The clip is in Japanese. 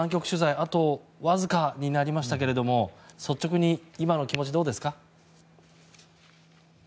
あとわずかになりましたけど率直に今の気持ち、どうですか？